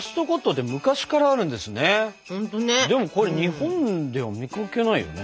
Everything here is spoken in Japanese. でもこれ日本では見かけないよね？